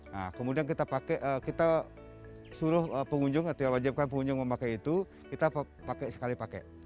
nah kemudian kita suruh pengunjung atau diwajibkan pengunjung memakai itu kita pakai sekali pakai